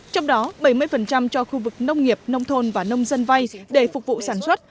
trong đó bảy mươi cho khu vực nông nghiệp nông thôn và nông dân vay để phục vụ sản xuất